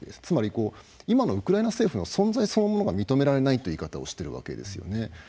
つまりこう今のウクライナ政府の存在そのものが認められないという言い方をしているわけですよね。